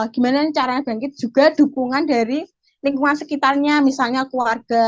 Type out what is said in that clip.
karena cara bangkit juga dukungan dari lingkungan sekitarnya misalnya keluarga